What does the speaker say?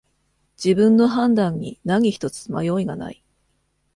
自分の判断に何ひとつ迷いがない